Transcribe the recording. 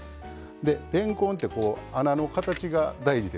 れんこんってこう穴の形が大事でしょ。